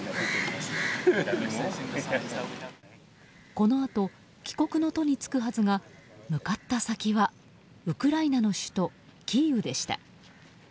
このあと帰国の途に就くはずが向かった先はウクライナの首都キーウでした。